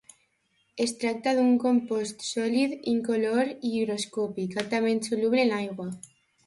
Es tracta d'un compost sòlid incolor i higroscòpic, altament soluble en aigua.